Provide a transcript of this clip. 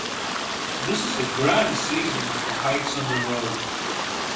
This is a grand season for hikes on the road.